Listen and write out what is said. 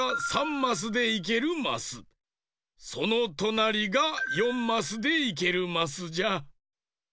そのとなりが４マスでいけるマスじゃ。